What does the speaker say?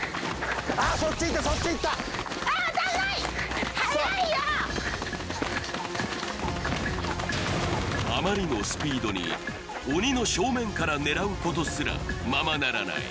そっち行ったそっち行ったあまりのスピードに鬼の正面から狙うことすらままならない